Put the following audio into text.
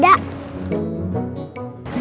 dia gak ada